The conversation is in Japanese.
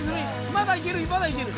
まだいけるまだいける。